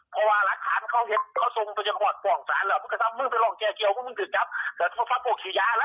เพราะว่ารัคนเขาเห็นเขาทรงไปที่ฝอตกล่องซะอันนี่แหละ